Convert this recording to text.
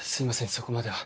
そこまでは。